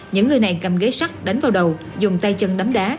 những người này cầm ghế sắt đánh vào đầu dùng tay chân đấm đá